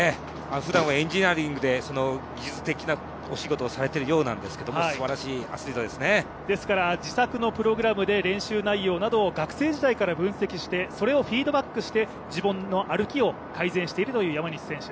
ふだんはエンジニアリングでその技術的な、お仕事をされてるようなんですが自作のプログラムで練習内容などを学生時代から分析してそれをフィードバックして自分の歩きを改善しているという山西選手。